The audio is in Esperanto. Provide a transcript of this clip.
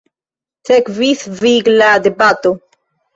Sekvis vigla debato.